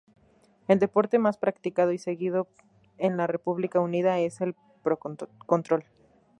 El deporte más practicado y seguido en la República Unida es el pro-control.